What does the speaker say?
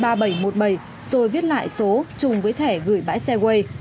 rồi viết lại số chung với thẻ gửi bãi xe wales